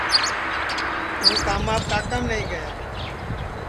توں کاماپ کاکام نائی گیا